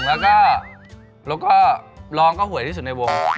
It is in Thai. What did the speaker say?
แล้วก็ร้องก็หวยที่สุดในวง